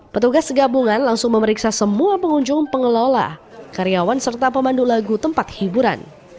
petugas gabungan langsung memeriksa semua pengunjung pengelola karyawan serta pemandu lagu tempat hiburan